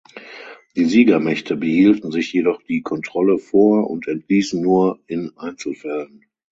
Die Siegermächte behielten sich jedoch die Kontrolle vor und entließen nur in Einzelfällen.